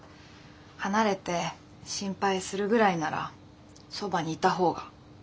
離れて心配するぐらいならそばにいた方が。